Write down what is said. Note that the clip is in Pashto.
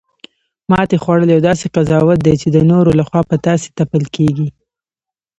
ماتې خوړل یو داسې قضاوت دی، چی د نورو لخوا په تاسې تپل کیږي